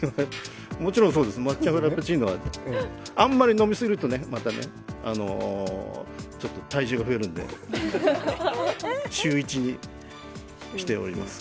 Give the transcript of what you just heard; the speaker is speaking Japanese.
もちろんそうです抹茶フラペチーノはあんまり飲みすぎると、またちょっと体重が増えるので、週１にしております。